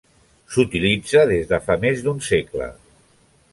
S’utilitza des de fa més d’un segle.